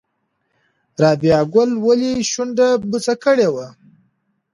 رابعه ګل ولې شونډه بوڅه کړې وه؟